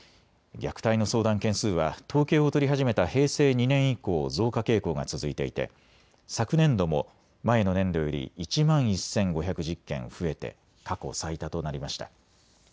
虐待の相談件数は統計を取り始めた平成２年以降、増加傾向が続いていて昨年度も前の年度より１万１５１０件増えて過去最多となりました。